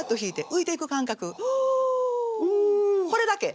これだけ！